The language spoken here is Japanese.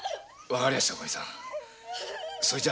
分かりましたおかみさん。